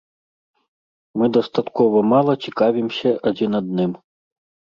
Мы дастаткова мала цікавімся адзін адным.